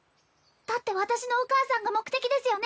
だって私のお母さんが目的ですよね